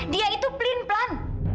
dia itu pelin pelan